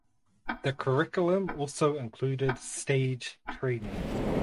The curriculum also included stage training.